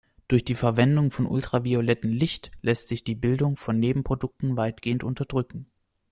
Durch die Verwendung von ultravioletten Licht lässt sich die Bildung von Nebenprodukten weitgehend unterdrücken.